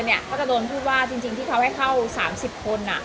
ก็จะโดนพูดว่าจริงที่เขาให้เข้า๓๐คน